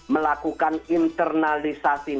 melakukan internalisasi nilai